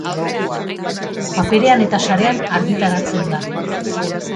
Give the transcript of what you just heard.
Paperean eta sarean argitaratzen da.